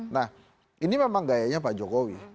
nah ini memang gayanya pak jokowi